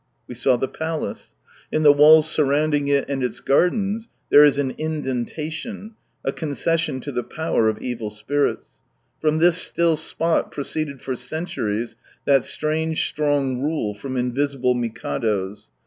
We saw the palace. In the wall surrounding It and its gardens there is an in dentation, a concession to the power of evil spirits. From this still spot proceeded for centuries that strange strong rule from invisible Mikados.